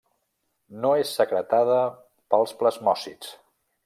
No és secretada pels plasmòcits.